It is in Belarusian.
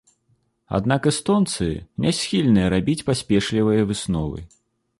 Аднак эстонцы не схільныя рабіць паспешлівыя высновы.